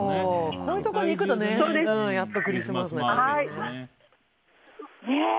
こういうところに行くとやっとクリスマスな感じがするね。